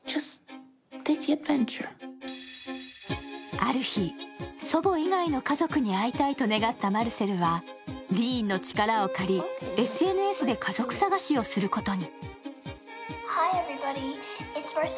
ある日、祖母以外の家族に会いたいと願ったマルセルはディーンの力を借り、ＳＮＳで家族捜しをすることに。